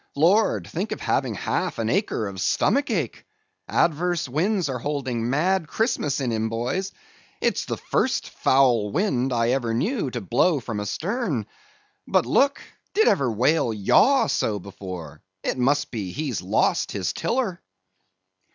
Lord, think of having half an acre of stomach ache! Adverse winds are holding mad Christmas in him, boys. It's the first foul wind I ever knew to blow from astern; but look, did ever whale yaw so before? it must be, he's lost his tiller."